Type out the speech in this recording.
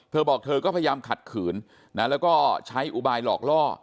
เธอบอกเธอก็พยายามขัดขืนนะแล้วก็ใช้อุบายหลอกล่อ